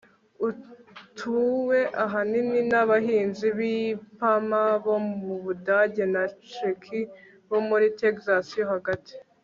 utuwe ahanini n'abahinzi b'ipamba bo mu budage na ceki bo muri texas yo hagati